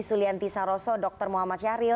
sulianti saroso dr muhammad syahril